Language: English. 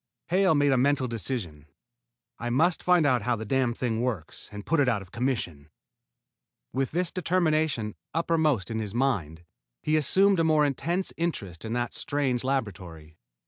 Hale made a mental decision. "I must find out how the damned thing works and put it out of commission." With this determination uppermost in his mind, he assumed a more intense interest in the strange laboratory.